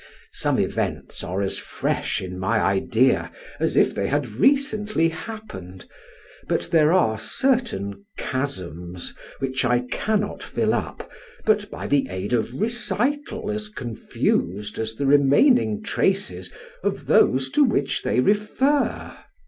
Some events are as fresh in my idea as if they had recently happened, but there are certain chasms which I cannot fill up but by the aid of recital, as confused as the remaining traces of those to which they refer.